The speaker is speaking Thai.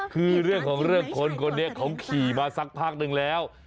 คือเรื่องของเรื่องคนคนนี้เขาขี่มาสักพักนึงแล้ว